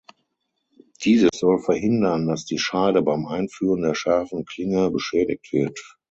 Dieses soll verhindern, dass die Scheide beim Einführen der scharfen Klinge beschädigt wird.